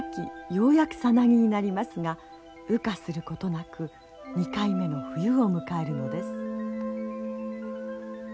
ようやくさなぎになりますが羽化することなく２回目の冬を迎えるのです。